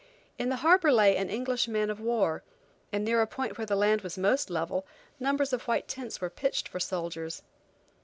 In the harbor lay an English man of war, and near a point where the land was most level, numbers of white tents were pitched for soldiers.